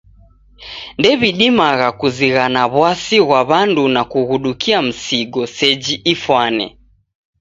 Ndewidimagha kuzighana w'asi ghwa w'andu na kughudukia msigo seji ifwane.